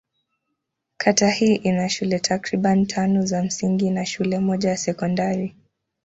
Kata hii ina shule takriban tano za msingi na shule moja ya sekondari.